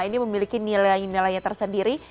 ini memiliki nilai nilainya tersendiri